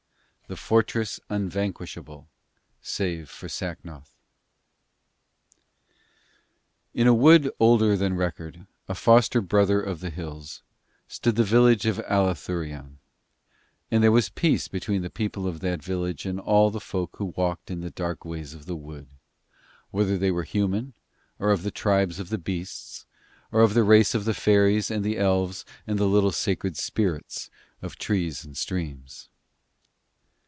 The Fortress Unvanquishable, Save For Sacnoth In a wood older than record, a foster brother of the hills, stood the village of Allathurion; and there was peace between the people of that village and all the folk who walked in the dark ways of the wood, whether they were human or of the tribes of the beasts or of the race of the fairies and the elves and the little sacred spirits of trees and streams.